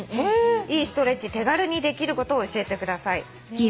「いいストレッチ手軽にできること教えてください」ねえ